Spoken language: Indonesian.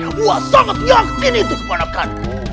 saya sangat yakin itu keponakan ku